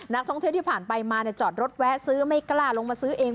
นักท่องเที่ยวที่ผ่านไปมาจอดรถแวะซื้อไม่กล้าลงมาซื้อเอง